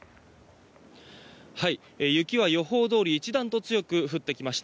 雪は予報どおり一段と強く降ってきました。